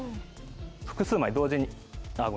複数枚同時に。